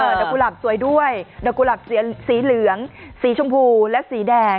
ดอกกุหลับสวยด้วยดอกกุหลับสีเหลืองสีชมพูและสีแดง